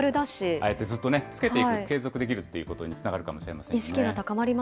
ああやってずっとつけていく、継続していくということにつながるかもしれませんね。